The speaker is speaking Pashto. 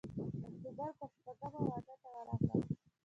د اکتوبر پر شپږمه واده ته ورغلم.